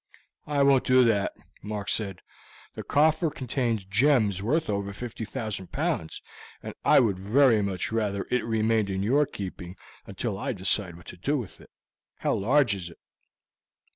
"I won't do that," Mark said; "the coffer contains gems worth over 50,000 pounds, and I would very much rather it remained in your keeping until I decide what to do with it. How large is it?"